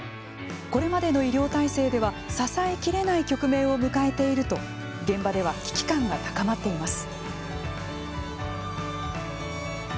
これまでの医療体制では支えきれない局面を迎えていると現場では、危機感が高まっています。